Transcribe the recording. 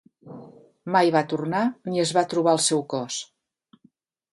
Mai va tornar ni es va trobar el seu cos.